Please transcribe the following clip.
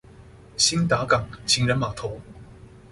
興達港情人碼頭